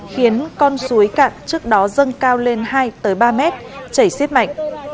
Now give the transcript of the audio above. khiến con suối cạn trước đó dâng cao lên hai ba mét chảy xiết mạnh